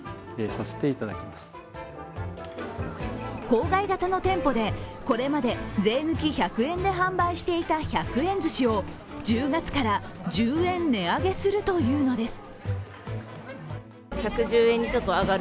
郊外型の店舗で、これまで税抜き１００円で販売していた１００円ずしを１０月から１０円値上げするというのです。